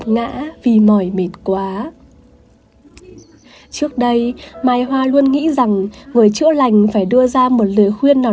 ngã vì mỏi mịt quá trước đây mai hoa luôn nghĩ rằng người chữa lành phải đưa ra một lời khuyên nào